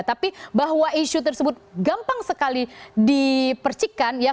tapi bahwa isu tersebut gampang sekali dipercikan ya